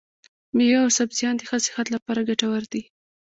مېوې او سبزيان د ښه صحت لپاره ګټور دي.